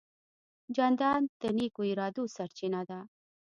جانداد د نیکو ارادو سرچینه ده.